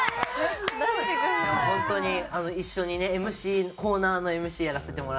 本当に一緒にねＭＣコーナーのＭＣやらせてもらったりとか。